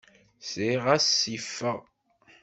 Sliɣ-as yeffeɣ.